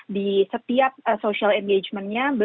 di setiap social engagement nya